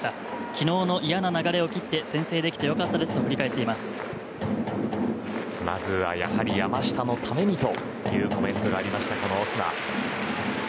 昨日の嫌な流れを切って先制できて良かったですとまずやはり山下のためにというコメントがあったこのオスナ。